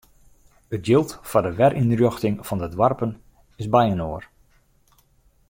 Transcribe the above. It jild foar de werynrjochting fan de doarpen is byinoar.